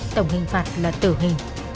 tổng hình phạt là tử hình